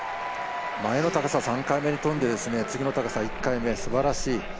前の高さを３回目に跳んで、次の高さ１回目、すばらしい。